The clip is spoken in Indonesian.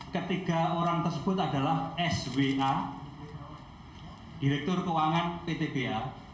ketiga orang tersebut adalah swa direktur keuangan ptba